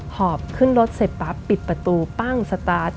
หอบขึ้นรถเสร็จปั๊บปิดประตูปั้งสตาร์ท